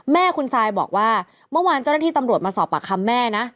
แม่คุณซายบอกว่าเมื่อวานเจ้าหน้าที่ตำรวจมาสอบปากคำแม่นะ